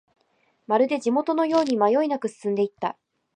まるで地元のように迷いなく進んでいった